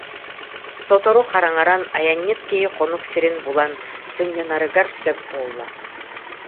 Сотору хараҥаран, айанньыт киһи хонук сирин булан, сынньанарыгар сөп буолла